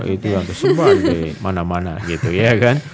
itu yang kesumbang di mana mana gitu ya kan